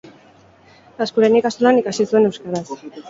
Laskurain ikastolan ikasi zuen, euskaraz.